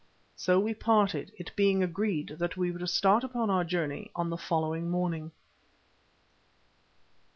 So we parted, it being agreed that we were to start upon our journey on the following morning.